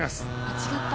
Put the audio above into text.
違った。